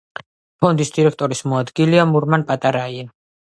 ფონდის დირექტორის მოადგილეა მურმან პატარაია.